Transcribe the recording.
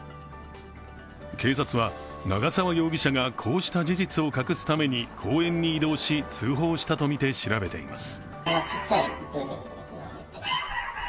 警察は、長沢容疑者がこうした事実を隠すために公園に移動し、通報したとみて調べています。